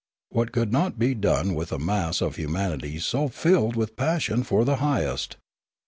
What could not be done with a mass of humanity so filled with passion for the highest!